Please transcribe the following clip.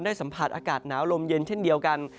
สัมผัสอากาศหนาวลมเย็นเช่นเดียวกัน